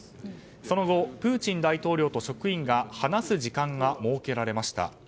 その後、プーチン大統領と職員が話す時間が設けられました。